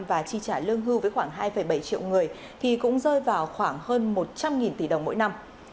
và chi trả lương hưu với khoảng hai bảy triệu người thì cũng rơi vào khoảng hơn một trăm linh tỷ đồng mỗi năm